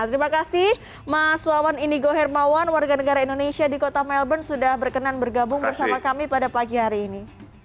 terima kasih mas wawan indigo hermawan warga negara indonesia di kota melbourne sudah berkenan bergabung bersama kami pada pagi hari ini